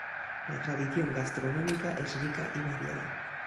La tradición gastronómica es rica y variada.